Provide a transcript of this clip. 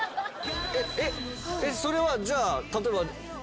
それはじゃあ例えば。